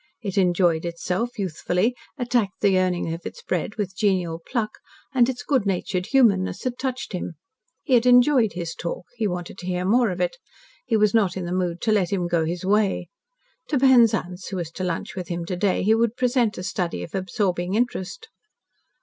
It enjoyed itself, youthfully; attacked the earning of its bread with genial pluck, and its good natured humanness had touched him. He had enjoyed his talk; he wanted to hear more of it. He was not in the mood to let him go his way. To Penzance, who was to lunch with him to day, he would present a study of absorbing interest.